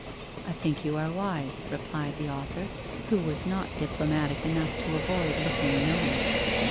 ' I think you are very wise,' replied the author, who was not diplomatic enough to avoid looking knowing.